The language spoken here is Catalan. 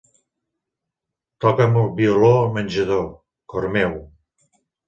Toca'm el violó al menjador, cor meu.